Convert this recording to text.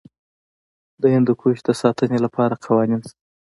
د هندوکش د ساتنې لپاره قوانین شته.